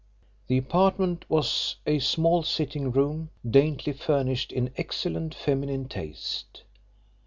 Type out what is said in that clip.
The apartment was a small sitting room, daintily furnished in excellent feminine taste.